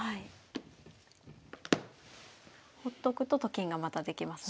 ほっとくとと金がまたできますね。